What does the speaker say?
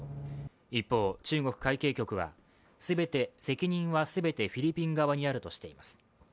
一方、中国海警局は責任は全てフィリピン側にあるとしています。